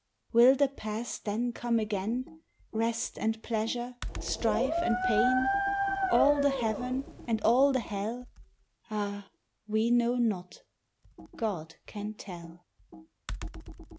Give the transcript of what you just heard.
Will the past then come again, Rest and pleasure, strife and pain, All the heaven and all the hell? Ah, we know not: God can tell.